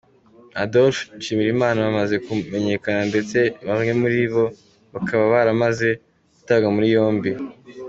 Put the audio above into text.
Adolphe Nshimirimana bamaze kumenyekana ndetse bamwe muri bo bakaba baramaze gutabwa muri yombi.